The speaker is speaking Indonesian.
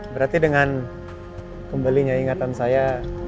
berarti dengan kembalinya ingatan saya